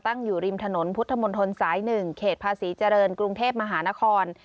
อยู่ริมถนนพุทธมนตรสาย๑เขตภาษีเจริญกรุงเทพมหานคร